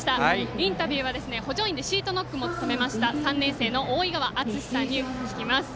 インタビューは補助員でシートノックも務めました３年生のおおいがわあつしさんに聞きます。